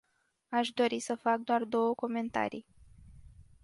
Aș dori să fac doar două comentarii.